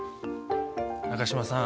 中島さん